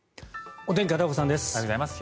おはようございます。